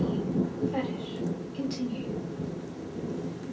FETISH (continued).